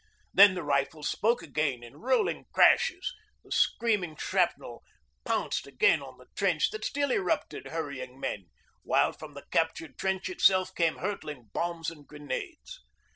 Then the rifles spoke again in rolling crashes, the screaming shrapnel pounced again on the trench that still erupted hurrying men, while from the captured trench itself came hurtling bombs and grenades.